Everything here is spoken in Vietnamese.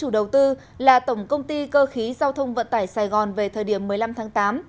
đây là tổng công ty cơ khí giao thông vận tải sài gòn về thời điểm một mươi năm tháng tám